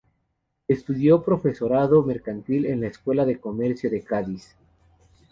Estudió profesorado mercantil en la Escuela de Comercio de Cádiz.